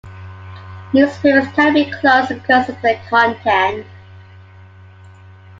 Newspapers cannot be closed because of their content.